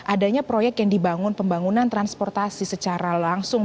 adanya proyek yang dibangun pembangunan transportasi secara langsung